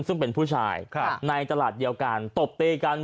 ซึ่งเป็นผู้ชายในตลาดเดียวกันตบตีกัน